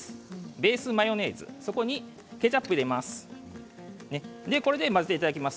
ベースはマヨネーズそこにケチャップを入れます。